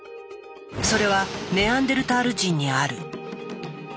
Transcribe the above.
それはネアンデルタール人にある。